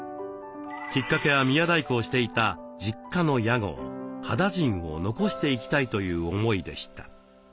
きっかけは宮大工をしていた実家の屋号「羽田甚」を残していきたいという思いでした。